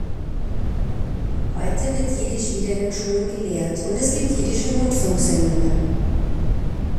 Heute wird Jiddisch wieder in den Schulen gelehrt, und es gibt jiddische Rundfunksendungen.